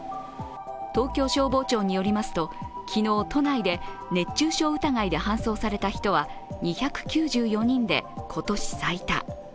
東京消防庁によりますと昨日、都内で熱中症疑いで搬送された人は２９４人で今年最多。